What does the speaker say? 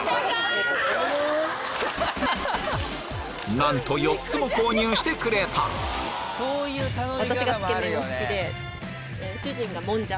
なんと４つも購入してくれたよし！